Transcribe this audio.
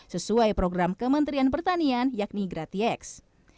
sesuai program kementerian pertanian yakni gratieks